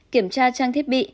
kiểm tra trang thiết bị